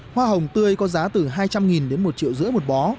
hoa hồng tươi có giá từ hai trăm linh đến một triệu rưỡi một bó